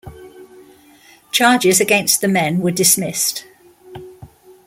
Charges against the men were dismissed.